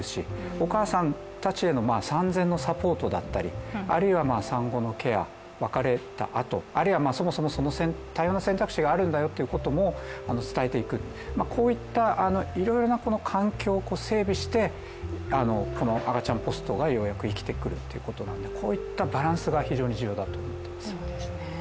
お母さんたちへの産前のサポートだったり、あるいは産後のケア、別れたあと、そもそも多様な選択肢があるんだよということも伝えていく、こういったいろいろな環境を整備して、この赤ちゃんポストがようやく生きてくるというバランスが必要だと思います。